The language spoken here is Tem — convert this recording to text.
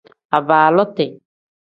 Abaaluti.